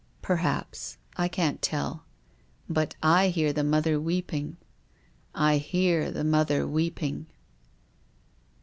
" Perhaps. I can't tell. But I hear the mother weeping. I hear the mother weeping."